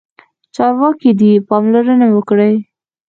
چارواکي دې پاملرنه وکړي.